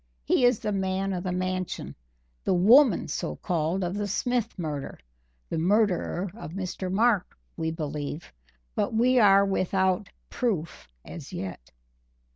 He is the man of the Mansion the woman, so called, of the Smith murder the murderer of Mr. Mark we believe, but we are without proof as yet."